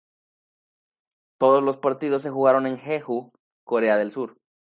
Todos los partidos se jugaron en Jeju, Corea del Sur.